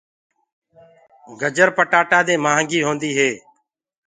گجر پٽآتآ دي مهآنگي هوندي هي۔